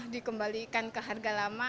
dikembalikan ke harga lama